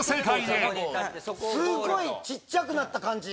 すっごいちっちゃくなった感じ